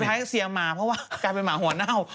คล้ายเซียมหมาเพราะว่ากลายเป็นหมาหัวเน่า